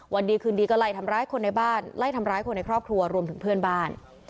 วันดีคืนดีก็ไล่ทำร้ายคนในบ้านไล่ทำร้ายคนในครอบครัวรวมถึงเพื่อนบ้าน